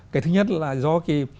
cái thứ nhất là do khi